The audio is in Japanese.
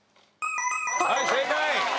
はい正解。